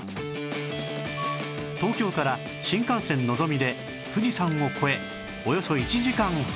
東京から新幹線のぞみで富士山を越えおよそ１時間半